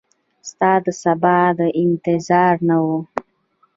ستا دسبا د انتظار نه وه